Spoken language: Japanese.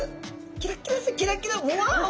キラキラキラキラわお！